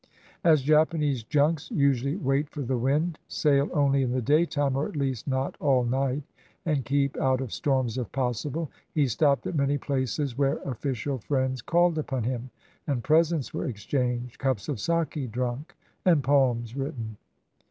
As Japanese junks usually wait for the wind, sail only in the daytime, or at least not all night, and keep out of storms if possible, he stopped at many places, where official friends called upon him, and presents were ex changed, cups of sake drunk, and poems written.